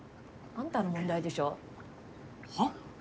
あんたの問題でしょはあ？